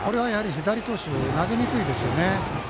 左投手は投げにくいですよね。